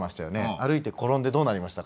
歩いて転んでどうなりましたか？